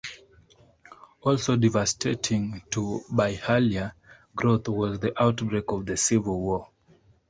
Also devastating to Byhalia's growth was the outbreak of the Civil War.